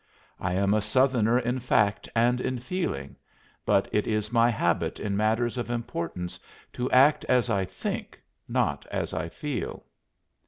I am a Southerner in fact and in feeling, but it is my habit in matters of importance to act as I think, not as I feel."